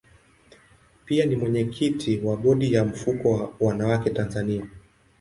Pia ni mwenyekiti wa bodi ya mfuko wa wanawake Tanzania.